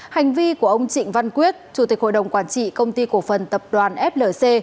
hành vi của ông trịnh văn quyết chủ tịch hội đồng quản trị công ty cổ phần tập đoàn flc